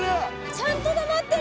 ちゃんとたまってる！